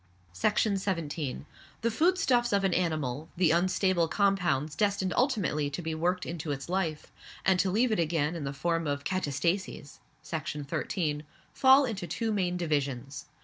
Section 17. The food stuffs of an animal, the unstable compounds destined ultimately to be worked into its life, and to leave it again in the form of katastases (Section 13), fall into two main divisions.